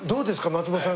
松本さん。